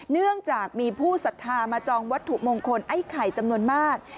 เนื่องจากมีผู้ศรัทธามาจองวัตถุมงคลไอ้ไข่จำนวนมาก